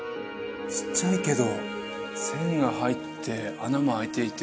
ちっちゃいけど線が入って穴もあいていて